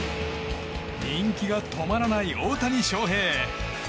人気が止まらない大谷翔平。